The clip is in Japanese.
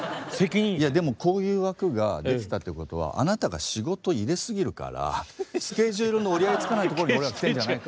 いやでもこういう枠ができたってことはあなたが仕事入れ過ぎるからスケジュールの折り合いつかないところに俺ら来てるんじゃない？